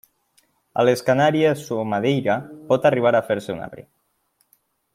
A les Canàries o Madeira pot arribar a fer-se un arbre.